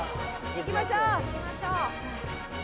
行きましょう。